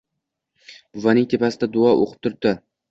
Buvang tepasida duo o‘qib o‘tiribdi.